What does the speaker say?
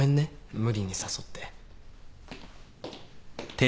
無理に誘って。